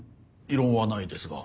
異論はないですが。